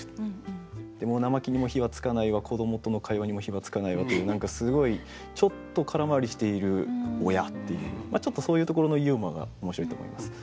でも生木にも火は点かないわ子供との会話にも火は点かないわという何かすごいちょっと空回りしている親っていうちょっとそういうところのユーモアが面白いと思います。